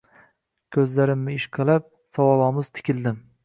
Ko'zlarimni ishqalab, savolomuz tikildim